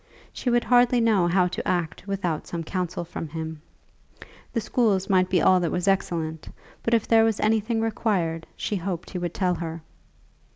She would hardly know how to act without some counsel from him. The schools might be all that was excellent, but if there was anything required she hoped he would tell her.